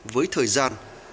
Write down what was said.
với thời gian